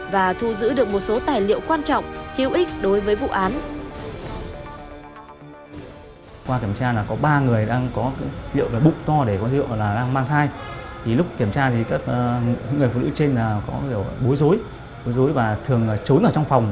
và thu giữ được một số tài liệu quan trọng hữu ích đối với vụ án